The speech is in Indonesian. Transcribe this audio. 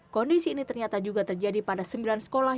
kondisi ini ternyata juga terjadi pada sembilan sekolah